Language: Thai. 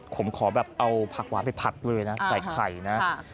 ผมขอแบบเอาผักหวานไปผัดเลยนะใส่ไข่นะ